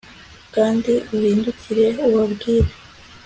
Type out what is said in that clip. kandi uhindukire ubabwire